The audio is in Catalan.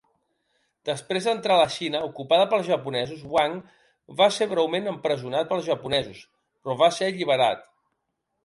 Després d'entrar a la Xina ocupada pels japonesos, Wang va ser breument empresonat pels japonesos, però va ser alliberat.